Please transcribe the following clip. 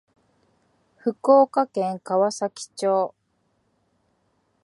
福岡県川崎町